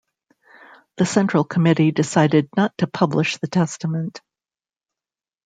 The Central Committee decided not to publish the testament.